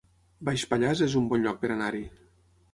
Baix Pallars es un bon lloc per anar-hi